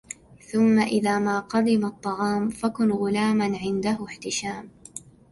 ثم إذا ما قدم الطعام فكن غلاما عنده احتشام